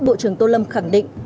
bộ trưởng tô lâm khẳng định